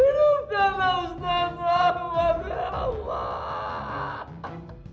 hidupkanlah ustaz ahmad ya allah